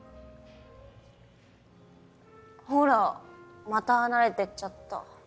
ほらまた離れてっちゃった。